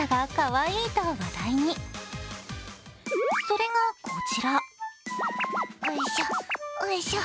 それがこちら。